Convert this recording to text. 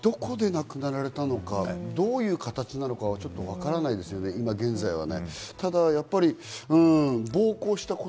どこで亡くなられたのか、どういう形なのかわからないですよね、今現在はね。